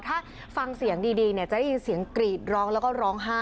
ถ้าฟังเสียงดีจะได้ยินเสียงกรีดร้องแล้วก็ร้องไห้